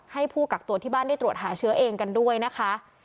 ให้ผู้กักตัวที่บ้านได้ตรวจหาเชื้อเองกันด้วยนะคะ